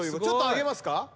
ちょっと上げますか？